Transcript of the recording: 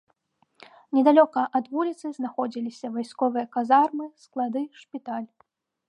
Недалёка ад вуліцы знаходзіліся вайсковыя казармы, склады, шпіталь.